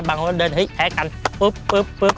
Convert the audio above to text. บางคนก็เดินเฮ้ยแพ้กันปุ๊บปุ๊บปุ๊บ